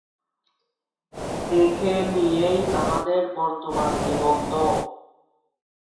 এঁকে নিয়েই আমাদের বর্তমান নিবন্ধ।